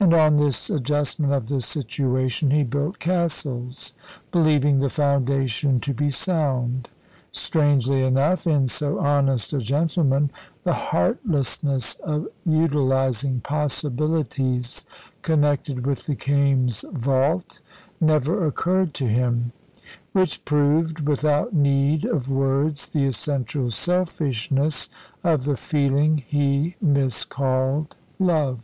And on this adjustment of the situation he built castles, believing the foundation to be sound. Strangely enough, in so honest a gentleman, the heartlessness of utilising possibilities connected with the Kaimes' vault never occurred to him. Which proved, without need of words, the essential selfishness of the feeling he miscalled love.